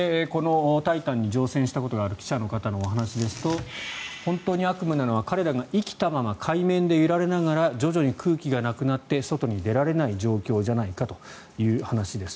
「タイタン」に乗船したことがある記者の方のお話ですと本当に悪夢なのは彼らが生きたまま海面で揺られながら徐々に空気がなくなって外に出られない状況じゃないかという話です。